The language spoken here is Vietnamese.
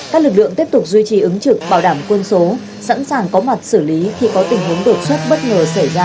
các lực lượng tiếp tục duy trì ứng trực bảo đảm quân số sẵn sàng có mặt xử lý khi có tình huống đột xuất bất ngờ xảy ra